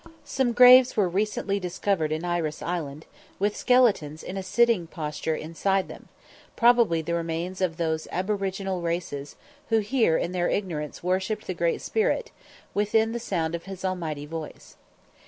Some graves were recently discovered in Iris Island, with skeletons in a sitting posture inside them, probably the remains of those aboriginal races who here in their ignorance worshipped the Great Spirit, within the sound of his almighty voice.